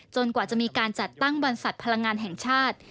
กว่าจะมีการจัดตั้งบรรษัทพลังงานแห่งชาติ